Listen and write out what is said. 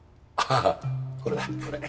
ああこれだこれ。